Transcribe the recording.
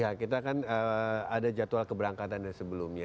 ya kita kan ada jadwal keberangkatan dari sebelumnya